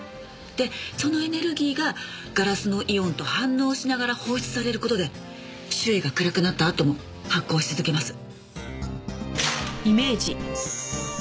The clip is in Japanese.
でそのエネルギーがガラスのイオンと反応しながら放出される事で周囲が暗くなったあとも発光し続けます。